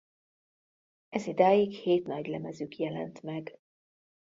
Ezidáig hét nagylemezük jelent meg.